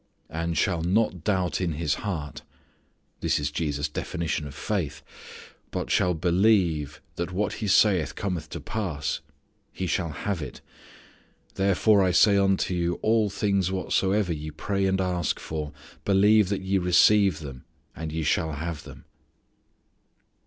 " And shall not doubt in his heart " That is Jesus' definition of faith. " But shall believe that what he saith cometh to pass; he shall have it. Therefore, I say unto you, all things whatsoever ye pray and ask for, believe that ye receive them, and ye shall have them."